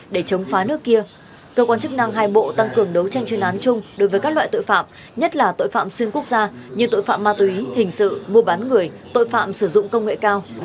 đấu tranh chuyên án chung đối với các loại tội phạm nhất là tội phạm xuyên quốc gia như tội phạm ma túy hình sự mua bán người tội phạm sử dụng công nghệ cao